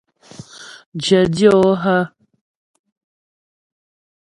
Jyə dyə̌ o hə́ ?